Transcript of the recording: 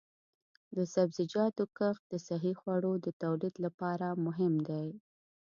د سبزیجاتو کښت د صحي خوړو د تولید لپاره مهم دی.